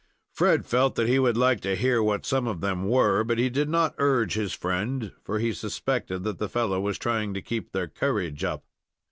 Fred felt that he would like to hear what some of them were, but he did not urge his friend, for he suspected that the fellow was trying to keep their courage up.